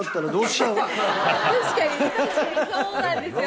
確かに確かにそうなんですよね。